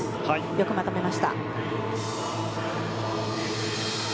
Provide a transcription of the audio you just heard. よくまとめました。